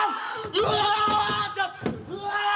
うわ！